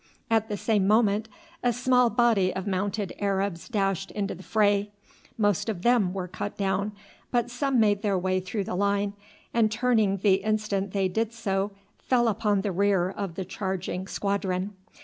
At the same moment a small body of mounted Arabs dashed into the fray. Most of them were cut down, but some made their way through the line, and turning the instant they did so fell upon the rear of the charging squadron.